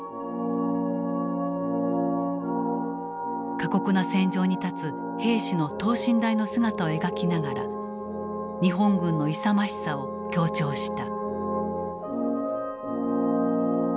過酷な戦場に立つ兵士の等身大の姿を描きながら日本軍の勇ましさを強調した。